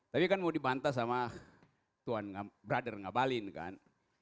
tapi kan mau dibantah sama brother ngabalin kan